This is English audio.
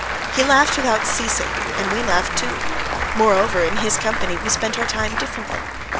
He laughed without ceasing and we laughed too. Moreover, in his company we spent our time differently.